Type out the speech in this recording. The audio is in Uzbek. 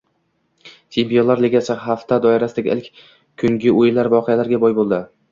Chempionlar Ligasi hafta doirasidagi ilk kungi o‘yinlar voqealarga boy bo‘ldi